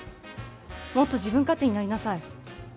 もっと自分勝手になりなさい。